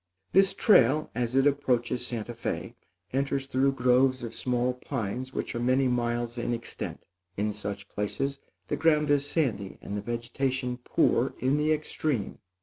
This trail, as it approaches Santa Fé, enters through groves of small pines which are many miles in extent. In such places the ground is sandy and the vegetation poor in the extreme.